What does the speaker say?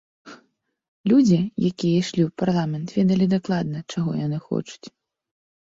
Людзі, якія ішлі ў парламент, ведалі дакладна, чаго яны хочуць.